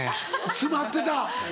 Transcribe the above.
詰まってた。